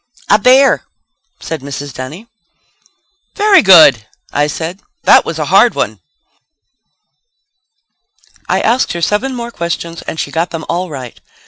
"A bear," said Mrs. Dunny. "Very good," I said. "That was a hard one." I asked her seven more questions and she got them all right.